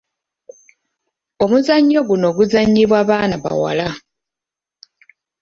Omuzannyo guno guzannyibwa baana bawala.